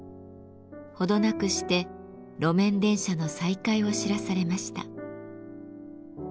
程なくして路面電車の再開を知らされました。